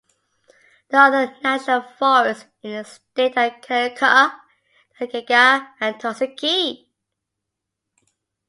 The other National Forests in the state are Conecuh, Talladega, and Tuskegee.